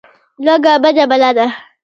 لوږه بده بلا ده.